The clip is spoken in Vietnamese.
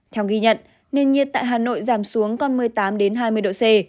theo ghi nhận nền nhiệt tại hà nội giảm xuống còn một mươi tám hai mươi độ c